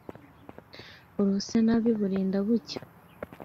Urose nabi burinda bucya.